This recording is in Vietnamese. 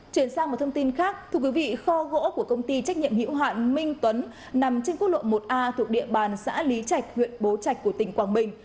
chuyển sang một thông tin khác thưa quý vị kho gỗ của công ty trách nhiệm hữu hạn minh tuấn nằm trên quốc lộ một a thuộc địa bàn xã lý trạch huyện bố trạch của tỉnh quảng bình